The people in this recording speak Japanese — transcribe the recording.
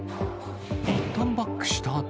いったんバックしたあと。